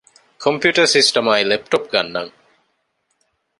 ކޮމްޕިއުޓަރ ސިސްޓަމާއި ލެޕްޓޮޕް ގަންނަން